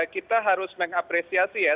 kita harus mengapresiasi ya